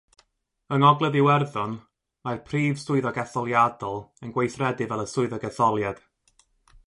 Yng Ngogledd Iwerddon, mae'r Prif Swyddog Etholiadol yn gweithredu fel y swyddog etholiad.